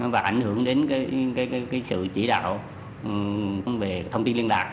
và ảnh hưởng đến sự chỉ đạo về thông tin liên lạc